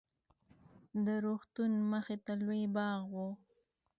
د روغتون مخې ته لوى باغ و.